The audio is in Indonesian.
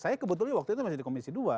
saya kebetulan waktu itu masih di komisi dua